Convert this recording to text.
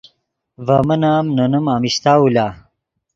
ڤے من ام نے نیم امیشتاؤ لا